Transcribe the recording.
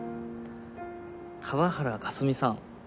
河原かすみさん。